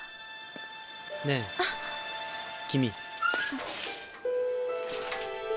ねえ、君。